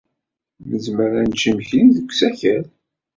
Nezmer ad nečč imekli deg usakal.